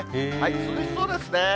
涼しそうですね。